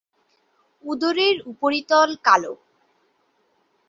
উদরের উপরিতল কালো।